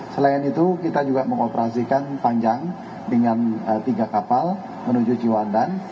selain itu kita juga mengoperasikan panjang dengan tiga kapal menuju jiwandan